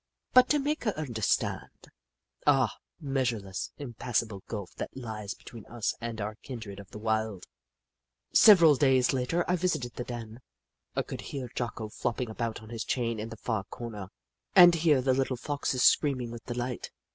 But to make her understand ? Ah, measure less, impassable gulf that lies between us and our kindred of the wild ! Several days later I visited the den. I could hear Jocko flopping about on his chain in the far corner, and hear the little Foxes screaming with delight.